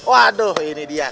waduh ini dia